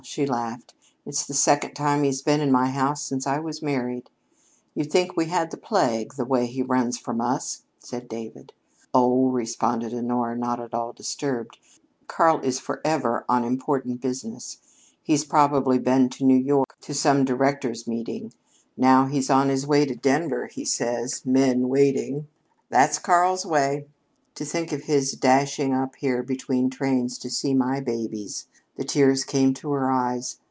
she laughed. "It's the second time he's been in my house since I was married." "You'd think we had the plague, the way he runs from us," said David. "Oh," responded Honora, not at all disturbed, "Karl is forever on important business. He's probably been to New York to some directors' meeting. Now he's on his way to Denver, he says 'men waiting.' That's Karl's way. To think of his dashing up here between trains to see my babies!" The tears came to her eyes.